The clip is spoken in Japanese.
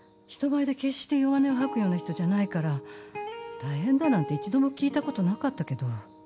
人前で決して弱音を吐くような人じゃないから大変だなんて一度も聞いたことなかったけど。